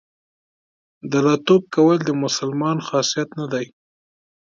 دله توب کول د مسلمان خاصیت نه دی.